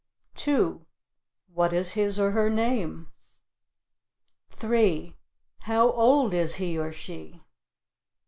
2. What is his or her name? 3. How old is he or she?